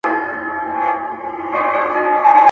له ظالم څخه به څنگه په امان سم.